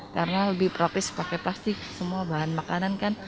karena lebih praktis pakai plastik semua bahan makanan kan